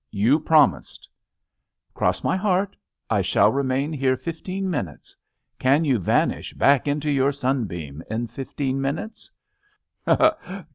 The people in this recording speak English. You promised!" "Cross my heart! I shall remain here fif teen minutes. Can you vanish back into your sunbeam in fifteen minutes?"